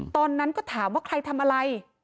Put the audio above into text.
ตอนนั้นก็ถามว่าใครทำอะไร